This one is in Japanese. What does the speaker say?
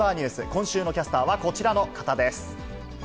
今週のキャスターは、こちらの方です。